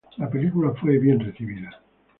La película fue bien recibida.